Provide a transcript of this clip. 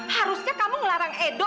harusnya kamu ngelarang edo